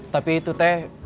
tapi itu teh